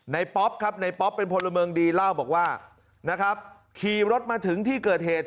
ป๊อปครับในป๊อปเป็นพลเมืองดีเล่าบอกว่านะครับขี่รถมาถึงที่เกิดเหตุ